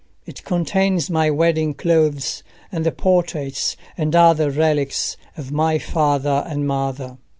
It contains my wedding clothes and the portraits and other relics of my father and mother."